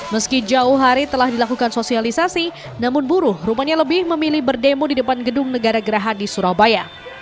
meski jauh hari telah dilakukan sosialisasi namun buruh rupanya lebih memilih berdemo di depan gedung negara geraha di surabaya